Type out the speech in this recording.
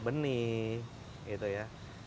benih gitu ya